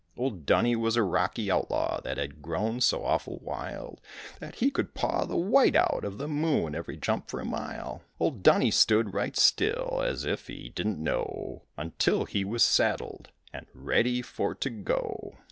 Old Dunny was a rocky outlaw that had grown so awful wild That he could paw the white out of the moon every jump for a mile. Old Dunny stood right still, as if he didn't know, Until he was saddled and ready for to go.